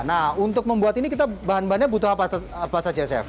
nah untuk membuat ini kita bahan bahannya butuh apa saja chef